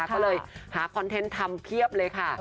ก็เลยหาคอนเทนต์ทำเพียบเลยค่ะ